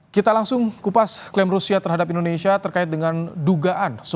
kita langsung kupas klaim rusia terhadap indonesia terkait dengan dugaan